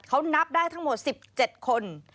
เขานับได้ทั้งหมด๑๗คน